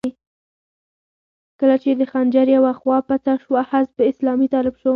کله چې د خنجر يوه خوا پڅه شوه، حزب اسلامي طالب شو.